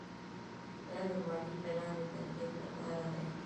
دا د مالي پلان د تطبیق لپاره دی.